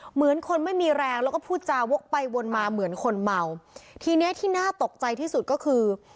เหมือนคนไม่มีแรงแล้วก็พูดจาวกไปวนมาเหมือนคนเมาทีเนี้ยที่น่าตกใจที่สุดก็คือ